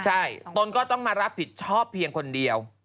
ใช่ตนก็ต้องมารับผิดชอบเพียงคนเดียว